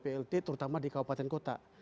plt terutama di kabupaten kota